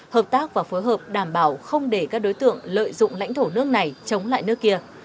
hợp tác và phối hợp đảm bảo không để các đối tượng lợi dụng lãnh thổ nước này chống lại nước kia